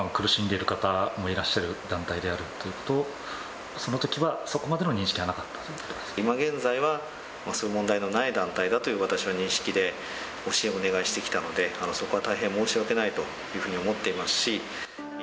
今も苦しんでいる方もいらっしゃる団体という、そのときは、そこまでの認識はなかったという今現在は、そういう問題のない団体だという認識で、ご支援をお願いしてきたので、そこは大変申し訳ないというふうに思っていますし。